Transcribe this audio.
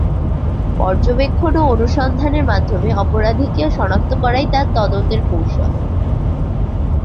পর্যবেক্ষণ ও অনুসন্ধানের মাধ্যমে অপরাধীকে শনাক্ত করাই তার তদন্তের কৌশল।